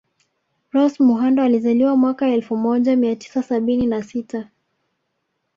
Rose Muhando alizaliwa mwaka elfu moja mia tisa sabini na sita